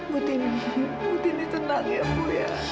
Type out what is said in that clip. bu tini tenang ya bu